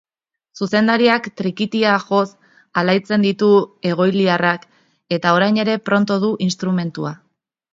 Zuzendariak trikitia joz alaitzen ditu egoilirrak eta orain ere pronto du instrumentua.